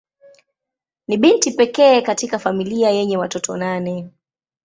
Ni binti pekee katika familia yenye watoto nane.